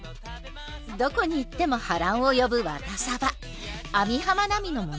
どこに行っても波乱を呼ぶワタサバ網浜奈美の物語。